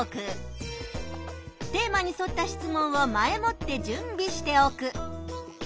テーマにそった質問を前もって準備しておく。